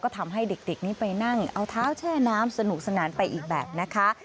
ทำให้เด็กนี้ไปนั่งเอาเท้าแช่น้ำสนุกสนานไปอีกแบบนะคะ